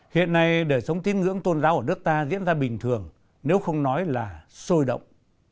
hiện nay đời sống tín ngưỡng tôn giáo ở nước ta diễn ra bình thường nếu không nói là sôi động